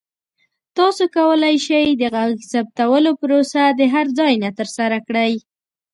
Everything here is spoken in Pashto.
تاسو کولی شئ د غږ ثبتولو پروسه د هر ځای نه ترسره کړئ.